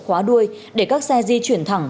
khóa đuôi để các xe di chuyển thẳng